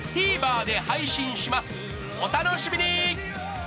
［お楽しみに］